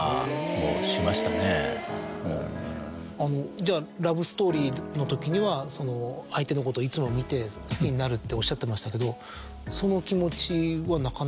じゃあラブストーリーのときには相手のことをいつも見て好きになるっておっしゃってましたけどその。